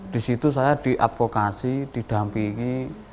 di situ saya diadvokasi didampingi